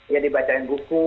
ya dibacain buku